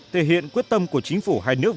thể hiện quyết tâm của chính phủ hai nước